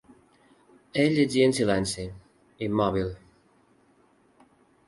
Ell llegia en silenci, immòbil.